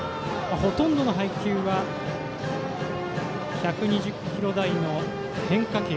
ほとんどの配球は１２０キロ台の変化球。